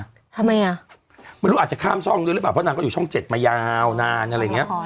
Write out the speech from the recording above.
ทำไมอ่ะไม่รู้อาจจะข้ามช่องด้วยหรือเปล่าเพราะนางก็อยู่ช่องเจ็ดมายาวนานอะไรอย่างเงี้ย